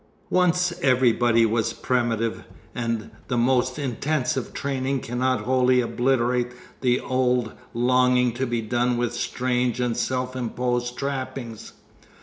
Once everybody was primitive, and the most intensive training cannot wholly obliterate the old longing to be done with strange and self imposed trappings.